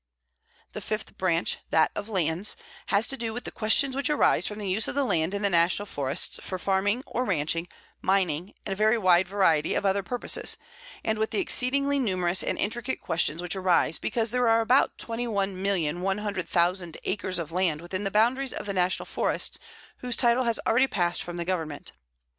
The fifth branch, that of Lands, has to do with the questions which arise from the use of the land in the National Forests for farming or ranching, mining, and a very wide variety of other purposes, and with the exceedingly numerous and intricate questions which arise because there are about 21,100,000 acres of land within the boundaries of the National Forests whose title has already passed from the Government.